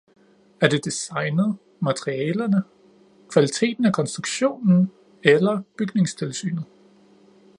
Er det designet, materialerne, kvaliteten af konstruktionen eller bygningstilsynet?